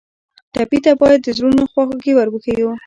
ټپي ته باید د زړونو خواخوږي ور وښیو.